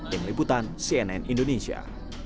yang meliputan cnn indonesia